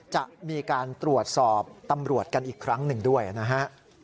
จะมีการตรวจสอบตำรวจกันอีกครั้งหนึ่งด้วยนะฮะ